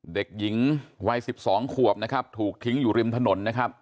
เด็กหญิงวัย๑๒ขวบนะครับถูกทิ้งอยู่ริมถนนนะครับ